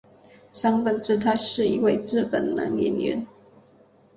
杉本哲太是一位日本男演员。